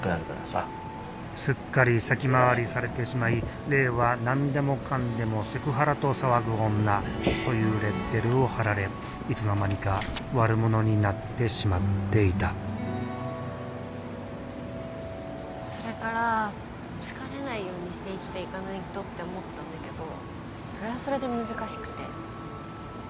すっかり先回りされてしまい玲は何でもかんでもセクハラと騒ぐ女というレッテルを貼られいつの間にか悪者になってしまっていたそれから好かれないようにして生きていかないとって思ったんだけどそれはそれで難しくて。